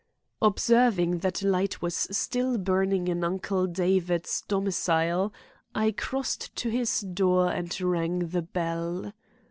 Observing that a light was still burning in Uncle David's domicile, I crossed to his door and rang the bell.